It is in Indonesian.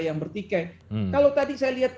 yang bertikai kalau tadi saya lihat